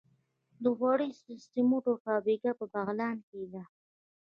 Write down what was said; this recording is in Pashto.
د غوري سمنټو فابریکه په بغلان کې ده.